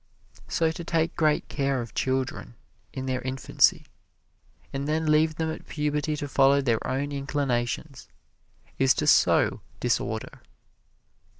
So to take great care of children in their infancy, and then leave them at puberty to follow their own inclinations, is to sow disorder.